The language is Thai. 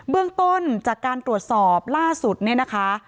เบื้องต้นจากการตรวจสอบล่าสุดเนี่ยนะคะ